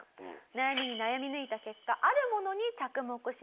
悩みに悩み抜いた結果あるものに着目しました。